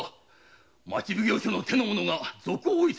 町奉行所の手の者が門前に。